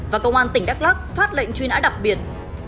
và công an tỉnh đắk lắc phát lệnh truy nã đặc biệt